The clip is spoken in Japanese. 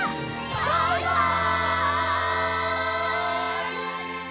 バイバイ！